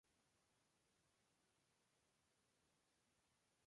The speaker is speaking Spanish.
Es el padre de Chihaya.